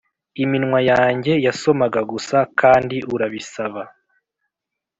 iminwa yanjye yasomaga gusa - kandi urabisaba